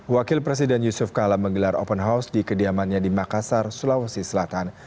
wakil presiden yusuf kala menggelar open house di kediamannya di makassar sulawesi selatan